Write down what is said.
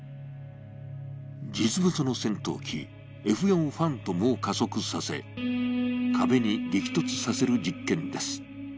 実物の戦闘機、Ｆ４ファントムを加速させ壁に激突させる実験です。